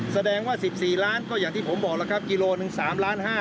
แสดงว่าสิบสี่ล้านก็อย่างที่ผมบอกแล้วครับกิโลหนึ่งสามล้านห้า